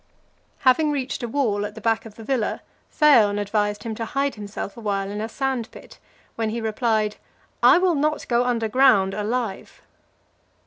Having reached a wall at the back of the villa, Phaon advised him to hide himself awhile in a sand pit; when he replied, "I will not go under ground alive."